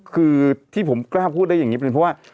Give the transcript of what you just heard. คือที่ผมกล้าพูดได้อย่างนี้เป็นเพราะว่า